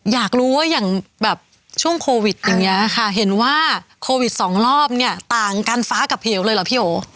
อยากรู้ว่าอย่างแบบช่วงโควิดอย่างนี้ค่ะเห็นว่าโควิดสองรอบเนี่ยต่างกันฟ้ากับเหวเลยเหรอพี่โอ